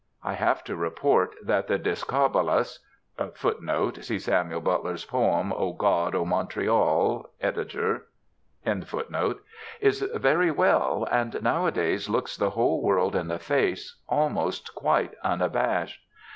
I have to report that the Discobolus [Footnote: See Samuel Butler's poem, "Oh God! oh Montreal!" Ed.] is very well, and, nowadays, looks the whole world in the face, almost quite unabashed.